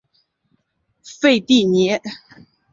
费蒂尼。